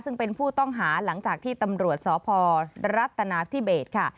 ซึ่งเป็นผู้ต้องหาหลังจากที่ตำรวจสพรัฐนาธิเบสค่ะ